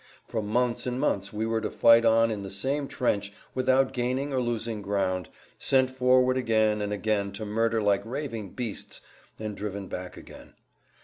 For months and months we were to fight on in the same trench, without gaining or losing ground, sent forward again and again to murder like raving beasts and driven back again.